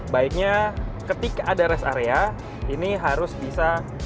baiknya ketika ada rest area ini harus bisa